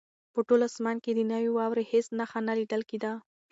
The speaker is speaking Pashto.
په ټول اسمان کې د نوې واورې هېڅ نښه نه لیدل کېده.